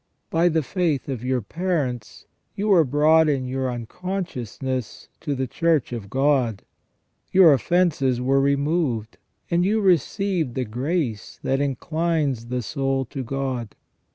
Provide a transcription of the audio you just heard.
By the faith of your parents you were brought in your unconscious ness to the Church of God ; your offences were removed, and you received the grace that inclines the soul to God.